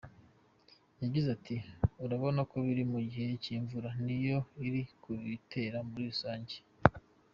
Yagize ati “Urabona ko biri mu gihe cy’imvura niyo iri kubitera muri rusange.